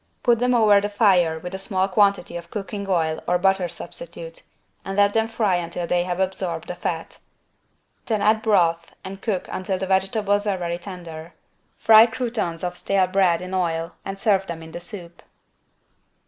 Put them over the fire with a small quantity of cooking oil or butter substitute, and let them fry until they have absorbed the fat. Then add broth and cook until the vegetables are very tender. Fry croutons of stale bread in oil and serve them in the soup.